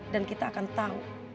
dan kita akan tau